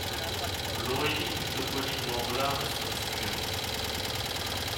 L'origine du toponyme Lanrelas reste obscure.